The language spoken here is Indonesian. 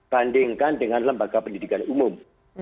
bandingkan dengan lembaga pendidikan umum